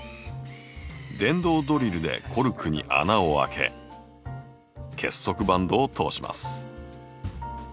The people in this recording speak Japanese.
電動ドリルでコルクに穴を開け結束バンドを通します。